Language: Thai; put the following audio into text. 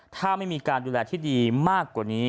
ถ้าไม่มีการดูแลที่ดีมากกว่านี้